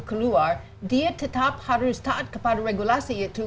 keluar dia tetap harus taat kepada regulasi itu